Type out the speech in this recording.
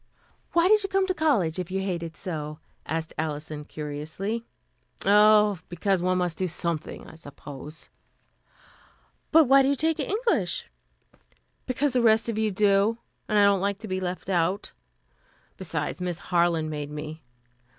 "Why did you come to college, if you hate it so?" asked Alison curiously. "Oh, because one must do something, I suppose." "But why do you take English?" "Because the rest of you do, and I don't like to be left out. Besides, Miss Harland made me.